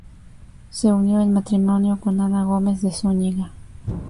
Se unió en matrimonio con Ana Gómez de Zúñiga.